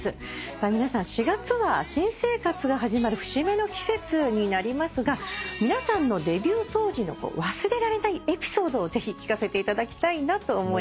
皆さん４月は新生活が始まる節目の季節になりますが皆さんのデビュー当時の忘れられないエピソードをぜひ聞かせていただきたいなと思います。